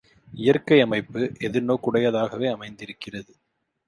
இயற்கை அமைப்பு எதிர்நோக்குடையதாகவே அமைந்திருக்கிறது.